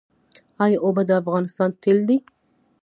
آیا اوبه د افغانستان تیل دي؟